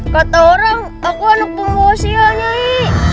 kata orang aku anak pembawa sial nyai